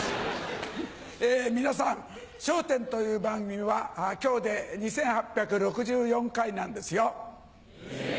え皆さん『笑点』という番組は今日で２８６４回なんですよ。え！